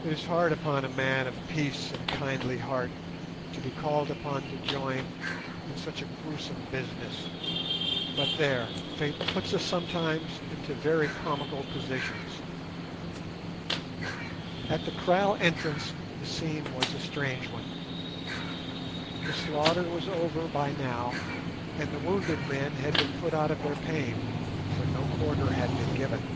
It is hard upon a man of peace and kindly heart to be called upon to join in such a gruesome business. But there, fate puts us sometimes into very comical positions! At the kraal entrance the scene was a strange one. The slaughter was over by now, and the wounded men had been put out of their pain, for no quarter had been given.